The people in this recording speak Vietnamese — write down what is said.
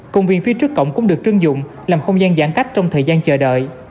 công viên phía trước cổng cũng được trưng dụng làm không gian giãn cách trong thời gian chờ đợi